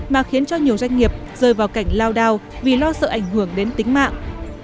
mà khiến cho nhiều doanh nghiệp rơi vào cảnh lao đao vì lo sợ ảnh hưởng đến tính mạng